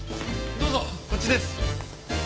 どうぞこっちです。